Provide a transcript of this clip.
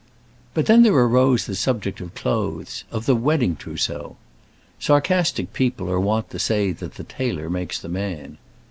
But then there arose the subject of clothes of the wedding trousseau! Sarcastic people are wont to say that the tailor makes the man.